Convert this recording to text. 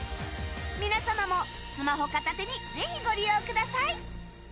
皆様もスマホ片手にぜひ、ご利用ください！